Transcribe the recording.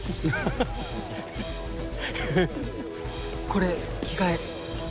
これ着替え。